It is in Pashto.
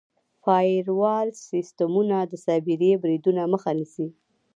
فایروال سیسټمونه د سایبري بریدونو مخه نیسي.